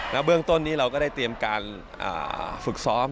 เบื้องต้นนี้เราก็ได้เตรียมการฝึกซ้อม